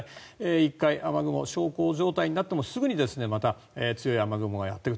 １回、雨雲が小康状態になってもすぐにまた強い雨雲がやってくる。